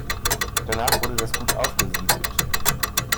Danach wurde das Gut aufgesiedelt.